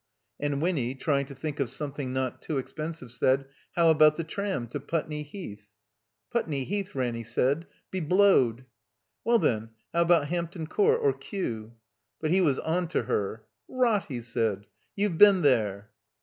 And Winny, trying to think of something not too expensive, said, ''How about the tram to Putney Heath?" Putney Heath," Ranny said, "be blowed!" Well, then — ^how about Hampton Court or Kew?" But he was "on to" her. "Rot!" he said. "YouVe been there."